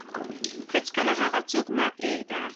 هیڅکله هغه څوک مه پرېږده